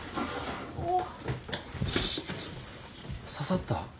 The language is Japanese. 刺さった？